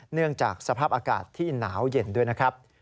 เนื่องจากสภาพอากาศที่หนาวเย็นด้วยนะครับ